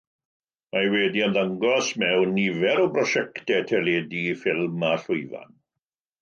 Mae wedi ymddangos mewn nifer o brosiectau teledu, ffilm, a llwyfan.